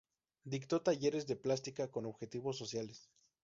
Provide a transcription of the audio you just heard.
Dictó talleres de plástica con objetivos sociales.